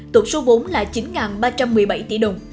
tổng số vốn là chín ba trăm một mươi bảy tỷ đồng